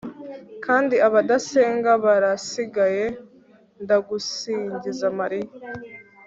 kandi abadasenga barasigaye, ndagusingiza mariya